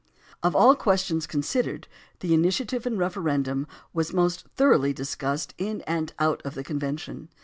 Of aU questions considered, the initiative and referendum was most thoroughly discussed in and out of the convention.